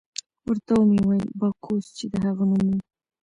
ورته ومې ویل: باکوس، چې د هغه نوم وو.